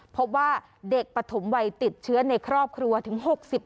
พบว่าเด็กปฐมวัยติดเชื้อในครอบครัวถึง๖๐